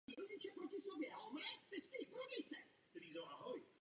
Most byl ve své době unikátní konstrukce.